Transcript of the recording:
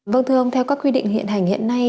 vâng thưa ông theo các quy định hiện hành hiện nay